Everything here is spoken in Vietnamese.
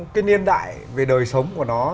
cái niên đại về đời sống của nó